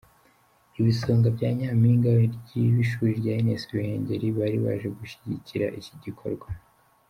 Ibisonga bya Nyampinga w'ishuri rya Ines Ruhengeri bari baje gushyigikira iki gikorwa.